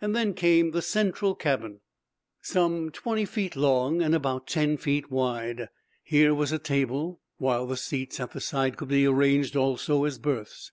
Then came the central cabin, some twenty feet long and about ten feet wide. Here was a table, while the seats at the side could be arranged also as berths.